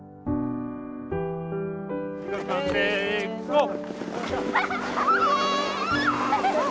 ゴー！